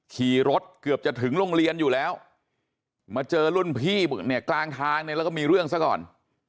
ขี่รถเกือบจะถึงโรงเรียนอยู่แล้วมาเจอรุ่นพี่เนี่ยกลางทางเนี่ยแล้วก็มีเรื่องซะก่อน